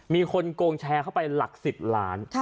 มีคนโกงแชร์เข้าไปหลัก๑๐ล้าน